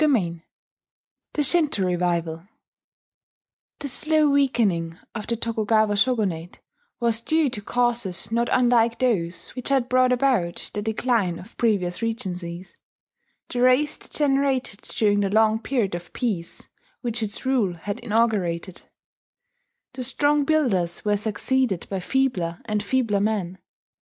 THE SHINTO REVIVAL The slow weakening of the Tokugawa Shogunate was due to causes not unlike those which had brought about the decline of previous regencies: the race degenerated during that long period of peace which its rule had inaugurated; the strong builders were succeeded by feebler and feebler men.